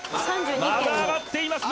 まだ上がっています